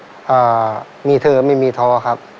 อ่ามีเธอไม่มีท้อครับ